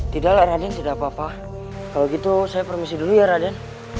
tidak lah raden tidak apa apa kalau gitu saya permisi dulu ya raden